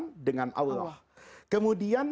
ada yang mengatakan